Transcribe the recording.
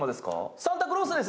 サンタクロースです。